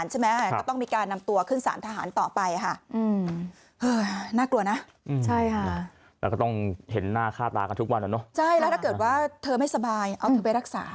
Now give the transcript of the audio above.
ใช่แล้วถ้าเกิดว่าเธอไม่สบายเอาเธอไปรักษา